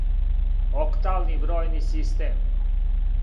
октални бројни систем